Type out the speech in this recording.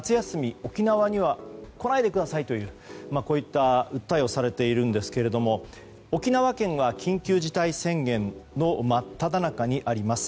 沖縄には来ないでくださいとこういった訴えをされていますが沖縄県は緊急事態宣言の真っただ中にあります。